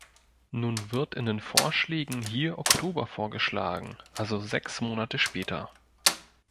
Nun wird in den Vorschlägen hier Oktober vorgeschlagen, also sechs Monate später.